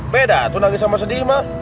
beda tuh nangis sama sedih mah